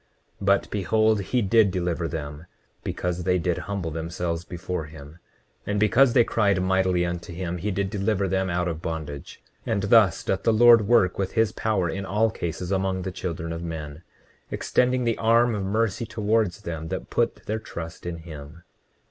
29:20 But behold, he did deliver them because they did humble themselves before him; and because they cried mightily unto him he did deliver them out of bondage; and thus doth the Lord work with his power in all cases among the children of men, extending the arm of mercy towards them that put their trust in him.